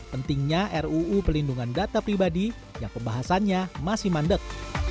pentingnya ruu pelindungan data pribadi yang pembahasannya masih mandek